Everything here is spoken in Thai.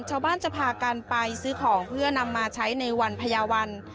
ชาวบ้านจะพากันไปซื้อของเพื่อนำมาใช้ในวันพญาวัน